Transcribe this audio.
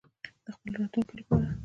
د خپل راتلونکي لپاره.